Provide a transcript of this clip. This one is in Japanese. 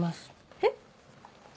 えっ？